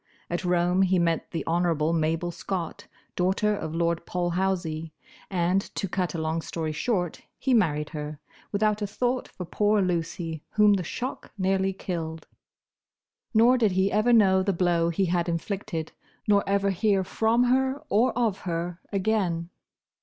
At Rome he met the Honourable Mabel Scott, daughter of Lord Polhousie, and, to cut a long story short, he married her, without a thought for poor Lucy, whom the shock nearly killed. Nor did he ever know the blow he had inflicted, nor ever hear from her, or of her, again.